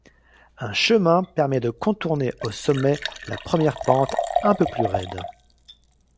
Un chemin permet de contourner au sommet la première pente un peu plus raide.